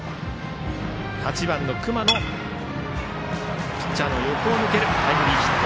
８番、隈のピッチャー横を抜けるタイムリーヒット。